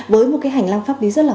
với một cái hành lang pháp lý rất là